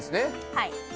はい。